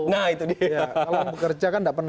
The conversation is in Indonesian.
nah itu dia kalau bekerja kan